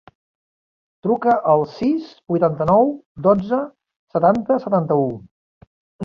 Truca al sis, vuitanta-nou, dotze, setanta, setanta-u.